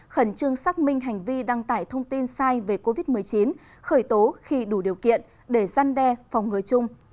khẩn trương xác minh hành vi đăng tải thông tin sai về covid một mươi chín khởi tố khi đủ điều kiện để gian đe phòng ngừa chung